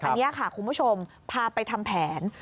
อันนี้ค่ะคุณผู้ชมพาไปทำแผน